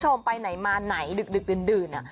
ไปไหนมาไหนดึกดื่น